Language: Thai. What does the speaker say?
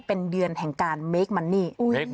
เป็นเดือนแห่งการเมคมันนี่